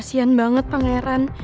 kasian banget pangeran